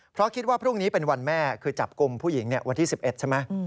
เพราะคิดว่าพรุ่งนี้เป็นวันแม่คือจับกลุ่มผู้หญิงวันที่๑๑ใช่ไหม